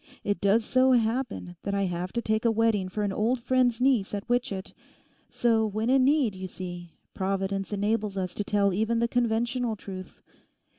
It does so happen that I have to take a wedding for an old friend's niece at Witchett; so when in need, you see, Providence enables us to tell even the conventional truth.